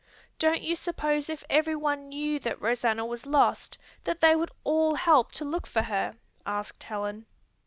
"Don't you suppose if everyone knew that Rosanna was lost that they would all help to look for her?" asked Helen.